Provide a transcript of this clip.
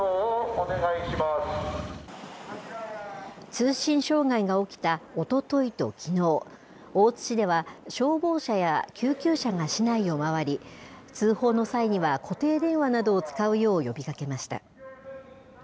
通信障害が起きたおとといときのう、大津市では、消防車や救急車が市内を回り、通報の際には、固定電話などを使うよう呼びかけました。